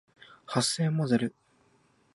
発声モデル